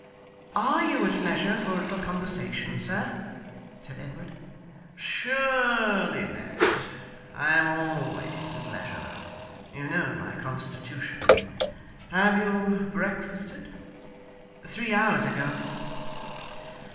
'Are you at leisure for a little conversation, sir?' said Edward. 'Surely, Ned. I am always at leisure. You know my constitution. Have you breakfasted?' 'Three hours ago.